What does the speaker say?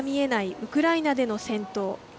ウクライナでの戦闘。